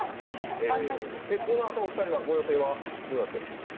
このあとのお二人のご予定はどうなってるんですか？